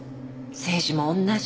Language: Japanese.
政治も同じ。